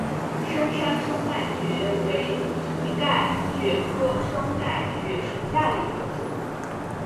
深山双盖蕨为蹄盖蕨科双盖蕨属下的一个种。